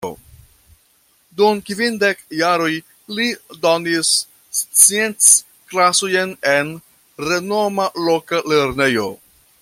Dum kvindek jaroj li donis scienc-klasojn en renoma loka lernejo.